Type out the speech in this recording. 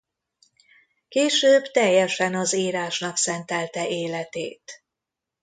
Később teljesen az írásnak szentelte életét.